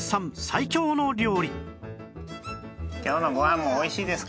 最強の料理